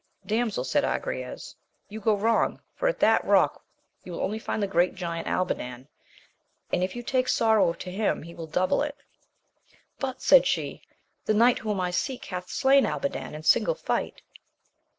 Damsel, said Agrayes, you go wrong, for air that rock you will only find the great giant Albadan, and if you take sorrow to him he will double it. But, said she, the knight whom I seek hath slain Albadan in single fight.